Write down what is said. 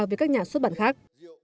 với các nhà xuất bản khác